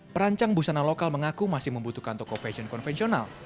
perancang busana lokal mengaku masih membutuhkan toko fashion konvensional